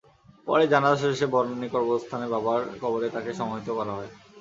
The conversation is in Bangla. পরে জানাজা শেষে বনানী কবরস্থানে বাবার কবরে তাঁকে সমাহিত করা হয়।